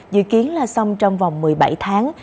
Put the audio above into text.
dự kiến là xong trong vòng một mươi bảy tháng